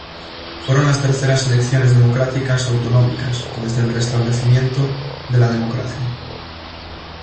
Fueron las terceras elecciones democráticas autonómicas desde el restablecimiento de la democracia.